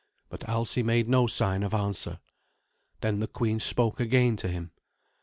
But Alsi made no sign of answer. Then the queen spoke again to him.